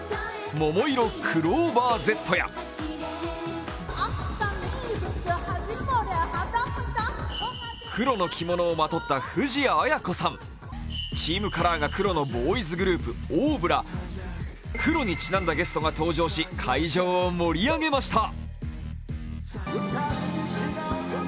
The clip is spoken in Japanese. ももいろ“クローバーＺや黒の着物をまとった藤あや子さんチームカラーが黒のボーイズグループ、ＯＷＶら黒にちなんだゲストが登場し会場を盛り上げました。